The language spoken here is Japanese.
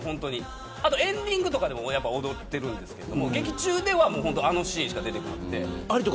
あとエンディングで踊ってるんですけど劇中ではあのシーンしか出てこなくて。